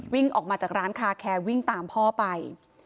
วิ่งออกมาจากร้านคาแคร์วิ่งตามพ่อไป